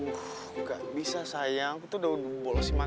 gak bisa sayang aku tuh udah bolos lima kali